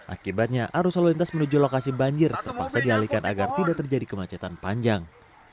akibatnya arus lalu lintas menuju lokasi banjir terpaksa dialihkan agar tidak terjadi kemacetan panjang